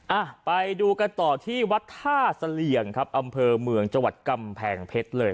อ่ะไปดูกันต่อที่วัดท่าเสลี่ยงครับอำเภอเมืองจังหวัดกำแพงเพชรเลย